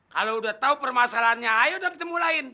kalo udah tau permasalahannya ayo dong ditemulain